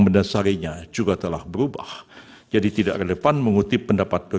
mendasarinya juga telah berubah jadi tidak relevan mengutip pendapat